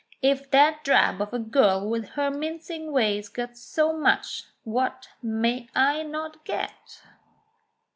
If that drab of a girl with her mincing ways got so much, what may I not get